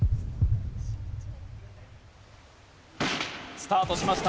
スタートしました。